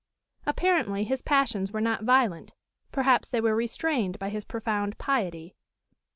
Apparently his passions were not violent; perhaps they were restrained by his profound piety.